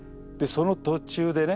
その途中でね